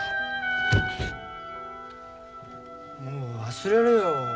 もう忘れろよ。